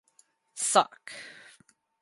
Soc.